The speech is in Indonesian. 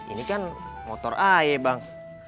ini kan motor a ya bang